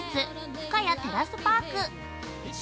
深谷テラスパーク。